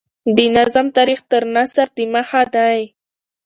د نظم تاریخ تر نثر دمخه دﺉ.